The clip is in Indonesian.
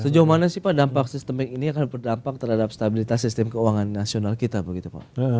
sejauh mana sih pak dampak sistemik ini akan berdampak terhadap stabilitas sistem keuangan nasional kita begitu pak